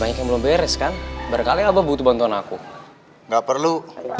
banyak yang belum beres kan barangkali abah butuh bantuan aku nggak perlu